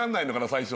最初。